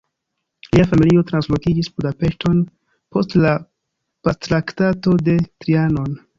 Lia familio translokiĝis Budapeŝton post la Pactraktato de Trianon.